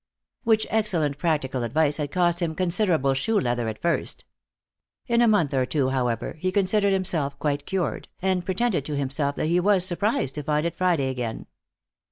Which excellent practical advice had cost him considerable shoe leather at first. In a month or two, however, he considered himself quite cured, and pretended to himself that he was surprised to find it Friday again.